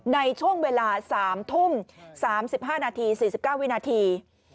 ในช่วงเวลา๓ทุ่ม๓๕นาที๔๙วินาที